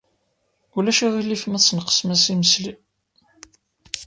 Ulac aɣilif ma tesneqsem-as imesli?